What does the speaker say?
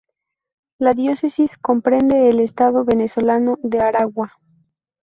La diócesis comprende el estado venezolano de Aragua.